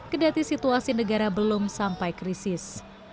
kedati situasi negara belum sampai krisis